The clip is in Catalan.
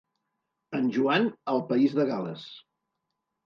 En Joan al País de Gal·les.